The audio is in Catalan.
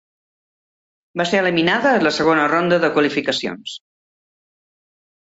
Va ser eliminada en la segona ronda de qualificacions.